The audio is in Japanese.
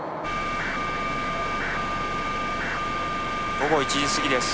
午後１時過ぎです。